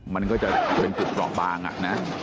มันก็จะเป็นจุดเปราะบางอ่ะนะ